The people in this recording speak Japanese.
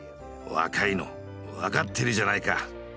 「若いの分かってるじゃないか！」